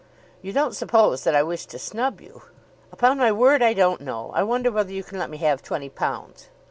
"You don't suppose that I wish to snub you?" "Upon my word I don't know. I wonder whether you can let me have twenty pounds?"